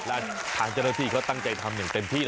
และทางเจ้าหน้าที่เขาตั้งใจทำอย่างเต็มที่